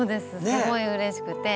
すごいうれしくて。